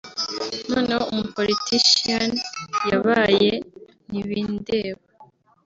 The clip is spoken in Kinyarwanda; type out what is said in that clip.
noneho umu-politician yabaye “ntibindeba”